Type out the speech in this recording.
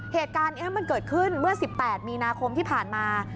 เหตุการณ์นี้มันเกิดขึ้นเมื่อ๑๘มีนาคมที่ผ่านมา